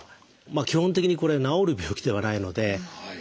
基本的にこれ治る病気ではないので。